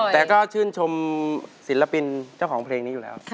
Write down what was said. แต่ก็ชื่นชมศิลปินเจ้าของเพลงนี้อยู่แล้ว